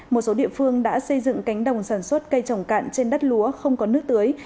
một số địa phương đã xây dựng cánh đồng sản xuất cây trồng cạn trên đất lúa không có nước tưới